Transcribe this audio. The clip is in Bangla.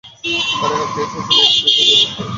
আরে, আপনি এসেছেন এটুকুই যথেষ্ট।